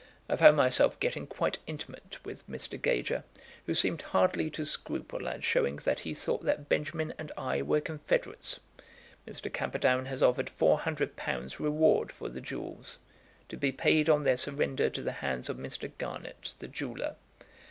I found myself getting quite intimate with Mr. Gager, who seemed hardly to scruple at showing that he thought that Benjamin and I were confederates. Mr. Camperdown has offered four hundred pounds reward for the jewels, to be paid on their surrender to the hands of Mr. Garnett, the jeweller.